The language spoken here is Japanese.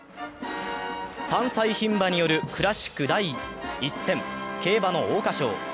３歳ひん馬によるクラシック第１戦、競馬の桜花賞。